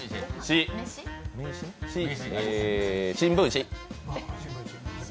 新聞紙。